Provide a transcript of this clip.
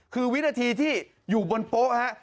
คือวินาทีที่อยู่บนโป๊ะฮะ